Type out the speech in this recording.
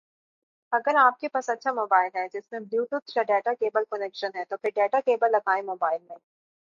اگر آپ کے پاس اچھا موبائل ہے جس میں بلوٹوتھ یا ڈیٹا کیبل کنیکشن ہے تو پھر ڈیٹا کیبل لگائیں موبائل میں